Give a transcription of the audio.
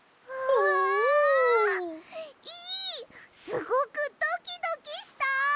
すごくドキドキした！